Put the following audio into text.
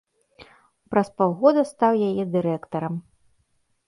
Праз паўгода стаў яе дырэктарам.